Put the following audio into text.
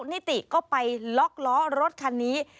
นิติก็ไปล็อกล้อรถคันนี้